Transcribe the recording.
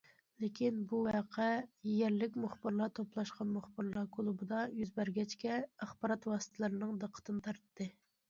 لېكىن، بۇ ۋەقە يەرلىك مۇخبىرلار توپلاشقان مۇخبىرلار كۇلۇبىدا يۈز بەرگەچكە، ئاخبارات ۋاسىتىلىرىنىڭ دىققىتىنى تارتتى.